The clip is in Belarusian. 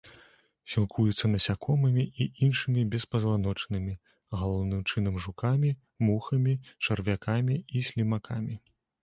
Сілкуецца насякомымі і іншымі беспазваночнымі, галоўным чынам жукамі, мухамі, чарвякамі і слімакамі.